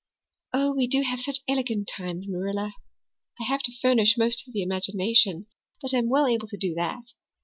Oh, we do have such elegant times, Marilla. I have to furnish most of the imagination, but I'm well able to do that.